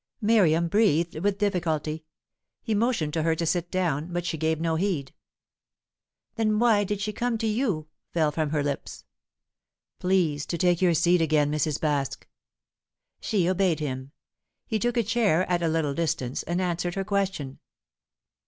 Miriam breathed with difficulty. He motioned to her to sit down, but she gave no heed. "Then why did she come to you?" fell from her lips. "Please to take your seat again, Mrs. Baske." She obeyed him. He took a chair at a little distance, and answered her question.